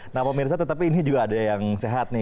nah pemirsa tetapi ini juga ada yang sehat nih